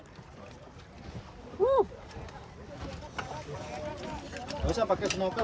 tidak usah pakai snorkel cuma tidak bisa pakai ini buka saja